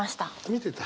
見てた？